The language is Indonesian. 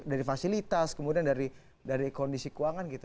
dari fasilitas kemudian dari kondisi keuangan gitu